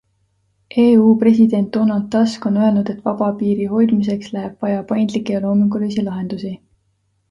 EU president Donald Tusk on öelnud, et vaba piiri hoidmiseks läheb vaja paindlike ja loomingulisi lahendusi.